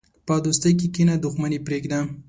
په دوستۍ کښېنه، دښمني پرېږده.